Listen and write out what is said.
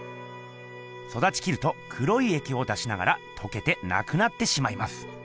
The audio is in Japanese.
そだちきると黒いえきを出しながらとけてなくなってしまいます。